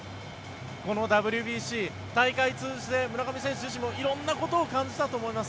このＷＢＣ、大会通じて村上選手自身も色んなことを感じたと思います。